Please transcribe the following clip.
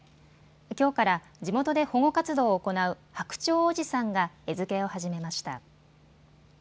きょうから地元で保護活動を行う白鳥おじさんが餌付けを始めました。